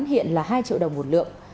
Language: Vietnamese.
hiện là hai triệu đồng một lượng